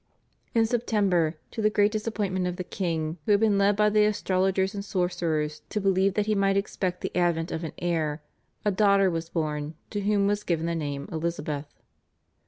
In September, to the great disappointment of the king who had been led by the astrologers and sorcerers to believe that he might expect the advent of an heir, a daughter was born to whom was given the name Elizabeth.